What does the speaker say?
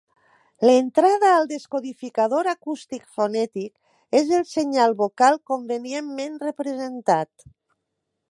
L'entrada al descodificador acústic fonètic és el senyal vocal convenientment representat.